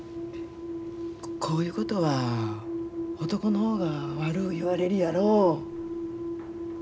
こういうことは男の方が悪う言われるやろ。